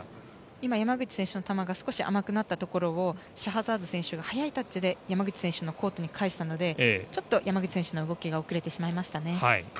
今、山口選手の球が少し甘くなったところをシャハザード選手が速いタッチで山口選手のコートに返したのでちょっと山口選手の動きが遅れてしまいましたね。